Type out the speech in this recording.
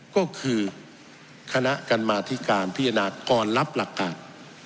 ก็คือคณะกรรมาธิการพิจารณาก่อนรับหลักการ